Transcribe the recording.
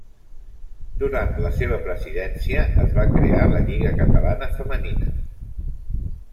Durant la seva presidència es va crear la Lliga catalana femenina.